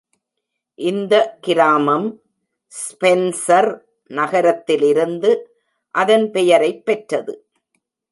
இந்த கிராமம் ஸ்பென்சர் நகரத்திலிருந்து அதன் பெயரைப் பெற்றது.